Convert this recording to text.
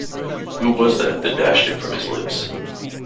Who was that, that dashed it from his lips?